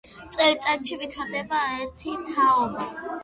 წელიწადში ვითარდება ერთი თაობა.